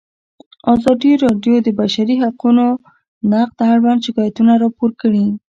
ازادي راډیو د د بشري حقونو نقض اړوند شکایتونه راپور کړي.